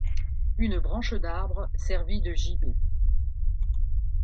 Une branche d'arbre servit de gibet.